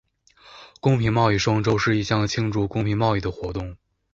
公平贸易双周是一项庆祝公平贸易的活动。